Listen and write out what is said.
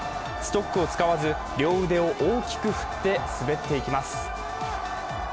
ストックを使わず両腕を大きく振って滑っていきます。